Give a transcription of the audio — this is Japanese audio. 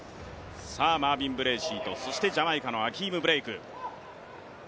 マービン・ブレーシーとジャマイカのアキーム・ブレイク。